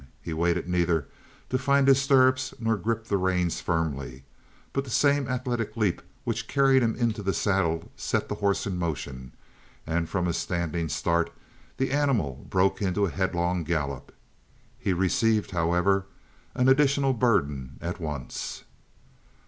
He waited neither to find his stirrups nor grip the reins firmly, but the same athletic leap which carried him into the saddle set the horse in motion, and from a standing start the animal broke into a headlong gallop. He received, however, an additional burden at once.